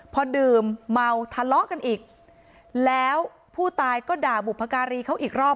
พอดื่มเมาทะเลาะกันอีกแล้วผู้ตายก็ด่าบุพการีเขาอีกรอบ